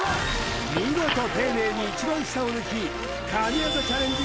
見事丁寧に一番下を抜き神業チャレンジ